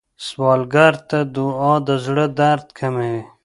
سوالګر ته دعا د زړه درد کموي